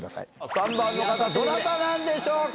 ３番の方どなたなんでしょうか？